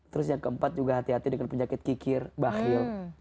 terus yang keempat juga hati hati dengan penyakit kikir bahlil